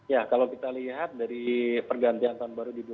ya kalau kita lihat dari pergantian tahun baru dua ribu dua puluh